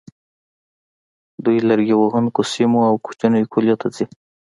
دوی لرګي وهونکو سیمو او کوچنیو کلیو ته ځي